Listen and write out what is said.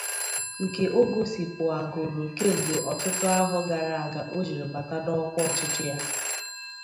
nke o gosipụàgòrò kemgbe ọtụtụ ahọ gara aga o jiri bata n'ọkwa ọchịchị ya